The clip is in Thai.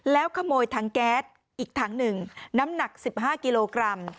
แล้วขโมยถังแก๊สอีกถังหนึ่งน้ำหนัก๑๕กิโลกรัม